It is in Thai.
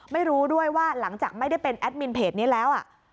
ไม่รู้ด้วยว่าหลังจากไม่ได้เป็นแอดมินเพจนี้แล้ว